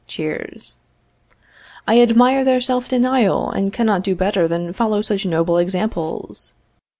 [Cheers.] I admire their self denial, and cannot do better than follow such noble examples.